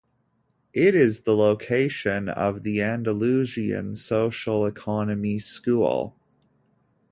It is the location of the Andalusian Social Economy School.